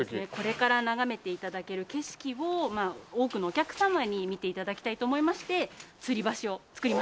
これから眺めて頂ける景色を多くのお客様に見て頂きたいと思いましてつり橋を造りました。